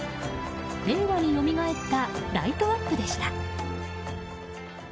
令和によみがえったライトアップでした。